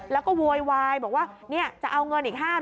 แล้วก็โวยวายบอกว่าจะเอาเงินอีก๕๐๐